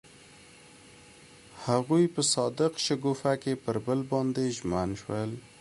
هغوی په صادق شګوفه کې پر بل باندې ژمن شول.